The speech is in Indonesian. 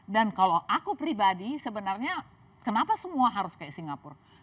dan kalau aku pribadi sebenarnya kenapa semua harus kayak singapura